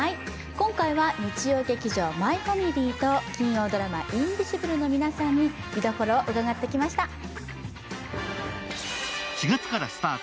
今回は日曜劇場「マイファミリー」と金曜ドラマ「インビジブル」の皆さんに見どころを伺ってきました。